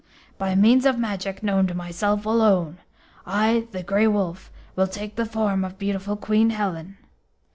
By means of magic known to myself alone, I, the Grey Wolf, will take the form of beautiful Queen Helen.